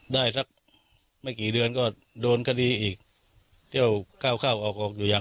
ได้สักไม่กี่เดือนก็โดนคดีอีกเที่ยวก้าวเข้าออกออกอยู่อย่าง